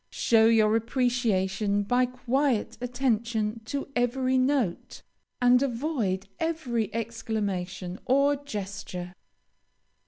Show your appreciation by quiet attention to every note, and avoid every exclamation or gesture.